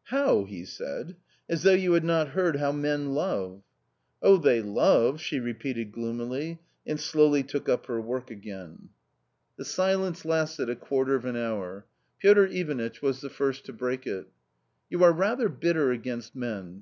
" How !" he said, " as though you had not heard how men love !"" Oh, they love !" she repeated gloomily, and slowly took up her work again. . A COMMON STORY 153 The silence lasted a quarter of an hour. Piotr Ivanitch was the first to break it. " You are rather bitter against men.